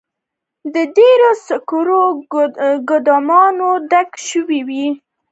د ډبرو سکرو ګودامونه ډک شوي وي